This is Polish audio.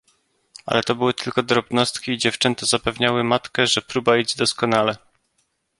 "Ale to były tylko drobnostki i dziewczęta zapewniały matkę, że próba idzie doskonale."